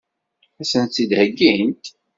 Ad sen-tt-id-heggint?